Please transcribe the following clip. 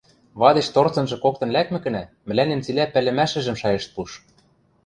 Вадеш торцынжы коктын лӓкмӹкӹнӓ, мӹлӓнем цилӓ пӓлӹмӓшӹжӹм шайышт пуш.